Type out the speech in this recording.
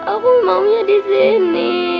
aku maunya disini